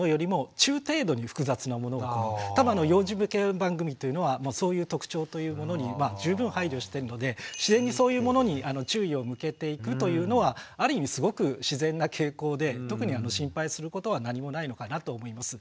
多分幼児向けの番組というのはそういう特徴というものに十分配慮してるので自然にそういうものに注意を向けていくというのはある意味すごく自然な傾向で特に心配することは何もないのかなと思います。